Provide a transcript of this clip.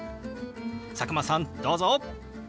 佐久間さんどうぞ！